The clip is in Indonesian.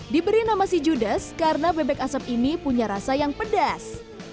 diberi nama si judes karena bebek asap ini punya rasa yang pedas